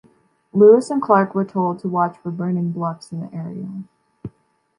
Lewis and Clark were told to watch for 'burning bluffs' in the area.